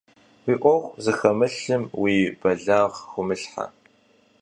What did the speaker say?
Уи ӏуэху зыхэмылъым уи бэлагъ хыумылъхьэ.